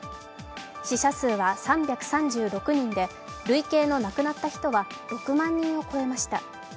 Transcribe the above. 死者数は３３６人で、累計の亡くなった人は６万人を超えました。